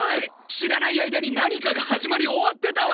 知らない間に何かが始まり終わってたわ。